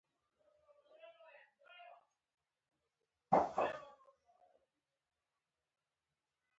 ټول کاینات ترې تاوېدل.